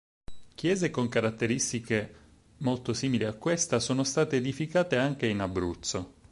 Chiese con caratteristiche molto simili a questa sono state edificate anche in Abruzzo.